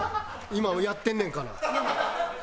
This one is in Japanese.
今はやってんねんから。